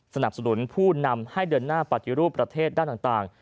สนับสนุนผู้นำให้เดินหน้าปฏิรูปประเทศด้านต่าง